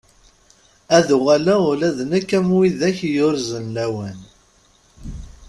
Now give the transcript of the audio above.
Ad uɣaleɣ ula d nekki am widak yurez lawan.